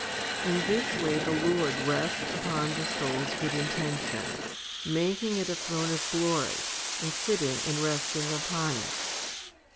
In this way the Lord rests upon the soul's good intention, making it a throne of glory, and sitting and resting upon it.